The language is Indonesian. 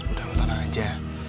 udah lo tenang aja